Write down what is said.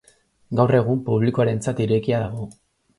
Gaur egun publikoarentzat irekia dago.